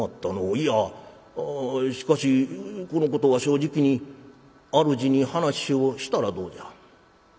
いやしかしこのことは正直に主に話をしたらどうじゃ？」。